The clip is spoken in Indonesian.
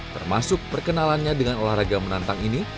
termasuk perkenalannya dengan olahraga menantang ini